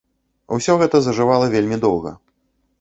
Усё гэта зажывала вельмі доўга.